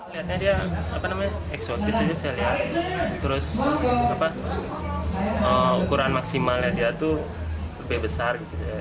lihatnya dia eksotis ukuran maksimalnya dia lebih besar